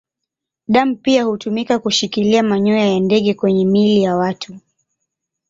Damu pia hutumika kushikilia manyoya ya ndege kwenye miili ya watu.